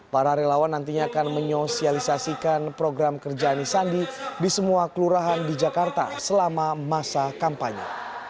para relawan nantinya akan menyosialisasikan program kerja anies sandi di semua kelurahan di jakarta selama masa kampanye